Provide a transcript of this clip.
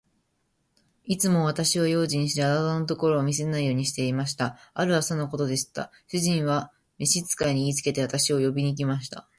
いつも私は用心して、裸のところを見せないようにしていました。ある朝のことでした。主人は召使に言いつけて、私を呼びに来ました。